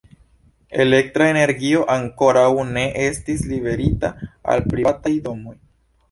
Elektra energio ankoraŭ ne estis liverita al privataj domoj.